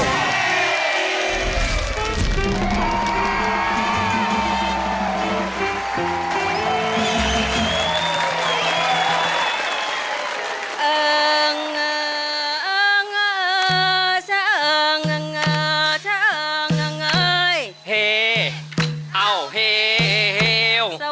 เงื่อเง้อเจ้งเงื่อเจ้งเง้ย